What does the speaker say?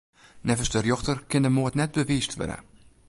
Neffens de rjochter kin de moard net bewiisd wurde.